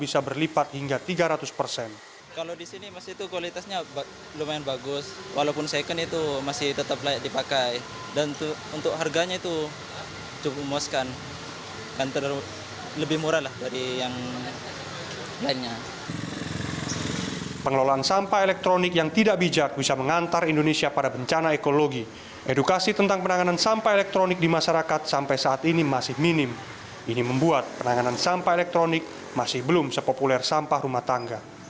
sampah ini masuk kategori b tiga atau bahan berbahaya dan beracun